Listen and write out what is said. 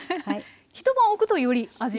一晩おくとより味も。